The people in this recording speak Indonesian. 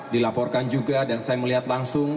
dilaporkan juga dan saya melihat langsung